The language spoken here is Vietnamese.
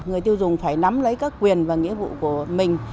người tiêu dùng phải nắm lấy các quyền và nghĩa vụ của mình